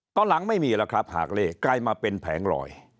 ตอนหลังไม่มีแล้วครับหากเลขกลายมาเป็นแผงลอย